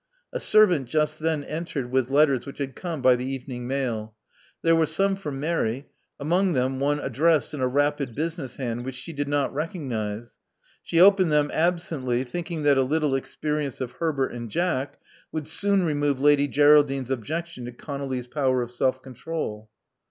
A servant just then entered with letters which had come by the evening mail. There were some for Mary; among them one addressed in a rapid business hand which she did not recognize. She opened them absently, thinking that a little experience of Herbert and Jack would soon remove Lady Geraldine 's objec tion to ConoUy's power of self control.